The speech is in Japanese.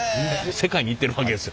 世界に行ってるわけですよ。